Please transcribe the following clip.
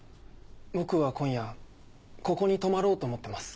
僕は今夜ここに泊まろうと思ってます。